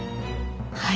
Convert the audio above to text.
はい。